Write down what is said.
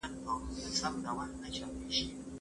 هغه څوک چې بڼوال وي د مېوو په قدر ښه پوهیږي.